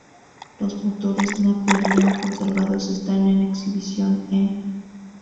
Los motores Napier Lion conservados están en exhibición en